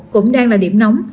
cũng đang là điểm nóng